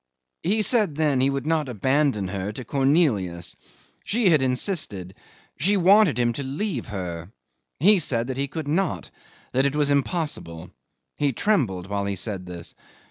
He said then he would not abandon her to Cornelius. She had insisted. She wanted him to leave her. He said that he could not that it was impossible. He trembled while he said this.